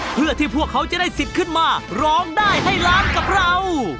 เพื่อที่พวกเขาจะได้สิทธิ์ขึ้นมาร้องได้ให้ล้านกับเรา